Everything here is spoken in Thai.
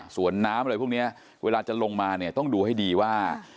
ส่วนน้ำอะไรพวกนี้เวลาจะลงมาเนี่ยต้องดูให้ดีว่า